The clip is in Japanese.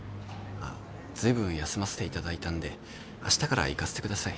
あっずいぶん休ませていただいたんであしたから行かせてください。